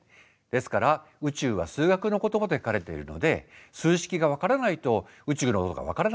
ですから宇宙は数学の言葉で書かれているので数式が分からないと宇宙のことが分からないんだ。